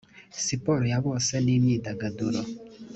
siporo ya bose n imyidagaduro